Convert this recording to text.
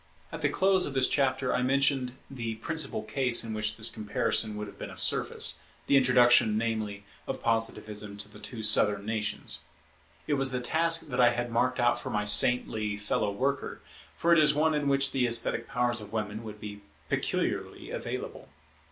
At the close of the last chapter I mentioned the principal case in which this comparison would have been of service, the introduction, namely, of Positivism to the two Southern nations. It was the task that I had marked out for my saintly fellow worker, for it is one in which the esthetic powers of women would be peculiarly available.